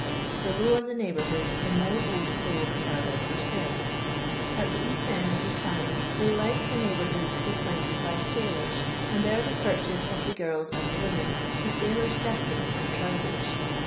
The lower the Dcighbonrhood the more old clothes are there for sale. At the east end of the town they like the neighbonrhoods frequented by sailors, aud there they purchase of the girls and the .women the sailon^ jackets and trowscrs.